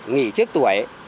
nghỉ trước tuổi